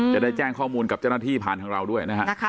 จะได้แจ้งข้อมูลกับเจ้าหน้าที่ผ่านทางเราด้วยนะฮะ